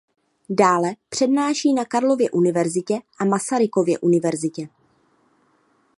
Dále přednáší na Karlově univerzitě a Masarykově univerzitě.